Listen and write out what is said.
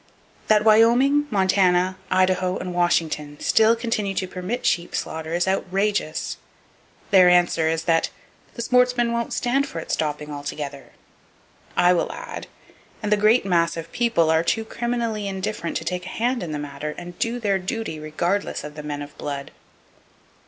That Wyoming, Montana, Idaho and Washington still continue to permit sheep slaughter is outrageous. Their answer is that "The sportsmen won't stand for stopping it altogether." I will add:—and the great mass of people are too criminally indifferent to take a hand in the matter, and do their duty regardless of the men of blood.